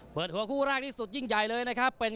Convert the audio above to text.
เปิดหัวคู่แรกที่สุดยิ่งใหญ่เลยนะครับ